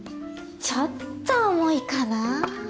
ちょっと重いかなぁ。